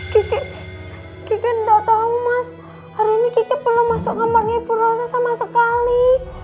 kike kike gak tau mas hari ini kike belum masuk kamar ibu nurse sama sekali